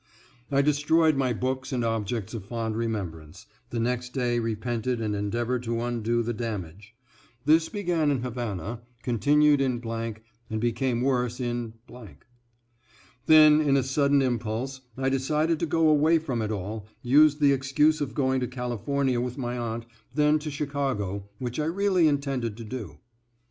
I destroyed my books and objects of fond remembrance, the next day repented and endeavored to undo the damage. This began in Havana, continued in and became worse in . Then in a sudden impulse I decided to go away from it all, using the excuse of going to California with my aunt, then to Chicago, which I really intended to do.